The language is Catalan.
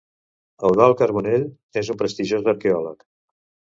Eudald Carbonell és un prestigiós arqueòleg.